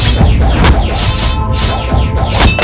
mereka semua berpikir seperti itu